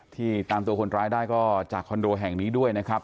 ตามตัวคนร้ายได้ก็จากคอนโดแห่งนี้ด้วยนะครับ